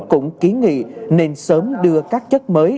cũng ký nghị nên sớm đưa các chất mới